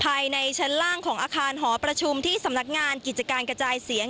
ภายในชั้นล่างของอาคารหอประชุมที่สำนักงานกิจการกระจายเสียง